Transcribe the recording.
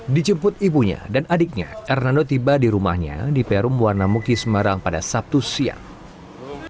dijemput ibunya dan adiknya hernando tiba di rumahnya di perum warna muki semarang pada sabtu siang